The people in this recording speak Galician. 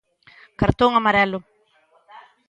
Cartón amarelo.